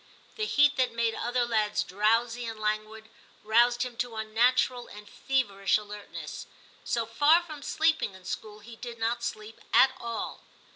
The heat that made other lads drowsy and languid, roused him to unnatural and feverish alertness ; so far from sleeping in school, he did not sleep at all.